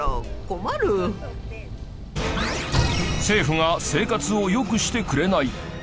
政府が生活を良くしてくれない。